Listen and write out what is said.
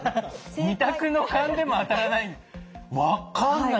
２択の勘でも当たらない。